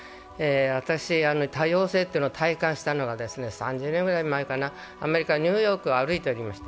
私、多様性というのを体感したのが３０年ぐらい前かな、アメリカ・ニューヨークを歩いておりました。